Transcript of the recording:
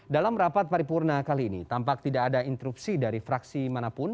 dalam rapat paripurna kali ini tampak tidak ada interupsi dari fraksi manapun